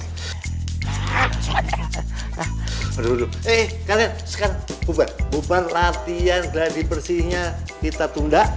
eh kalian sekarang bubar bubar latihan gladi bersihnya kita tunda